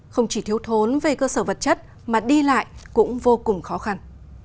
không chỉ thiếu thốn về cơ sở vật chất mà đi lại cũng vô cùng khó khăn